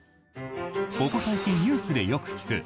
ここ最近、ニュースでよく聞く